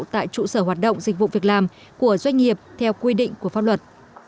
tại trụ sở hoạt động dịch vụ việc làm của doanh nghiệp theo quy định của pháp luật